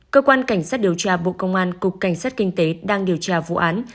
cơ quan cảnh sát điều tra bộ công an cục cảnh sát kinh tế đang điều tra vụ án